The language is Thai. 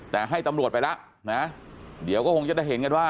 แต่ให้ตำรวจไปแล้วนะเดี๋ยวก็คงจะได้เห็นกันว่า